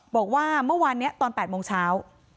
บอกว่าเมื่อวานนี้ตอน๘โมงเช้า